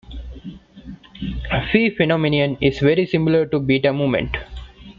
Phi phenomenon is very similar to beta movement.